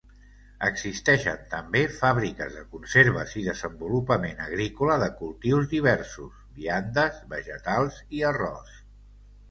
Existeixen també fàbriques de conserves i desenvolupament agrícola de cultius diversos, viandes, vegetals i arròs.